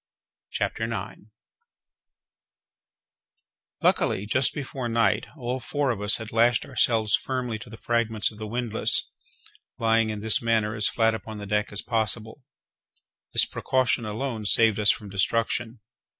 CHAPTER 9 Luckily, just before night, all four of us had lashed ourselves firmly to the fragments of the windlass, lying in this manner as flat upon the deck as possible. This precaution alone saved us from destruction.